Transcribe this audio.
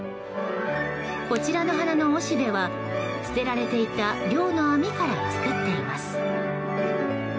こちらの花のおしべは捨てられていた漁の網から作っています。